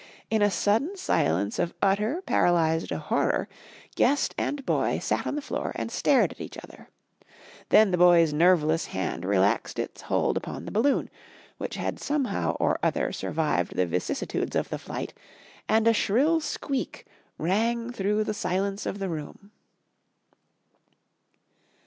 In a sudden silence of utter paralysed horror, guest and boy sat on the floor and stared at each other. Then the boy's nerveless hand relaxed its hold upon the balloon, which had somehow or other survived the vicissitudes of the flight, and a shrill squeak rang through the silence of the room.